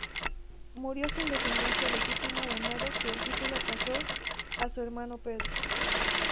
Murió sin descendencia legítima de modo que el título pasó a su hermano Pedro.